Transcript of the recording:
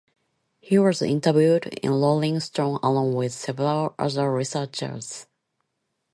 He was interviewed in "Rolling Stone" along with several other researchers.